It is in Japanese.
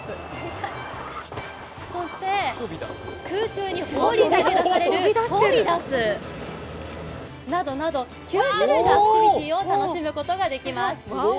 そして空中に放り出されるトビダスなどなど、９種類のアクティビティーを楽しむことができます。